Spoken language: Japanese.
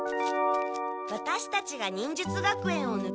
ワタシたちが忍術学園をぬけ出した